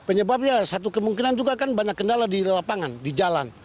penyebabnya satu kemungkinan juga kan banyak kendala di lapangan di jalan